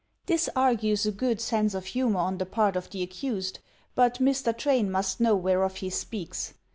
This argues a good sense of humor on the part of the accused, but Mr. Train must know whereof he speaks.